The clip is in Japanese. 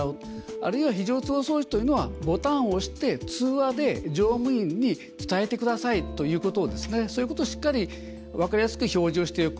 あるいは非常通報装置というのはボタンを押して通話で乗務員に伝えてくださいということそういうことをしっかり分かりやすく表示をしておく。